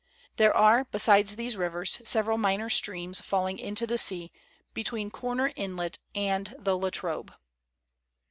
There are, besides these rivers, several minor streams falling into the sea, between Corner Inlet and the La Trobe.